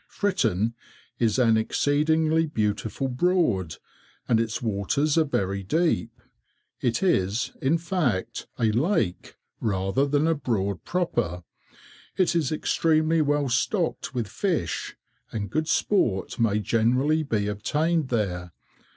Fritton is an exceedingly beautiful Broad, and its waters are very deep. It is, in fact, a lake, rather than a Broad proper. It is extremely well stocked with fish, and good sport may generally be obtained there.